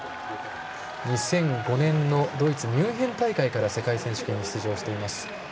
２００５年のドイツ・ミュンヘン大会から世界選手権に出場しています。